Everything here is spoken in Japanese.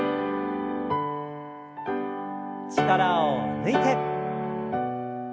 力を抜いて。